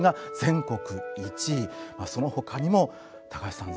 その他にも高橋さん